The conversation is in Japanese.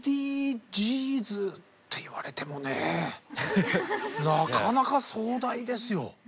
ＳＤＧｓって言われてもねなかなか壮大ですよ。